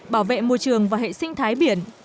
bảo vệ môi trường và hệ sinh thái biển